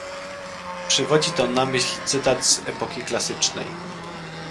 Przywodzi to na myśl cytat z epoki klasycznej